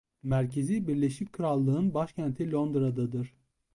Merkezi Birleşik Krallık'ın başkenti Londra'dadır.